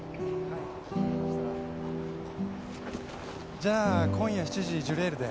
じゃあ今夜７時ジョレールで。